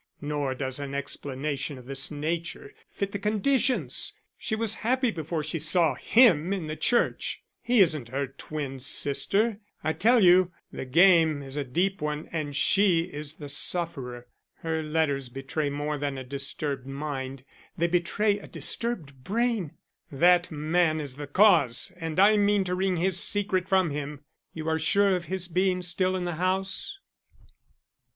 Nor does an explanation of this nature fit the conditions. She was happy before she saw him in the church. He isn't her twin sister. I tell you the game is a deep one and she is the sufferer. Her letters betray more than a disturbed mind; they betray a disturbed brain. That man is the cause and I mean to wring his secret from him. You are sure of his being still in the house?"